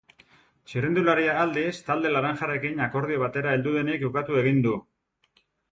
Txirrindularia, aldiz, talde laranjarekin akordio batera heldu denik ukatu egin du.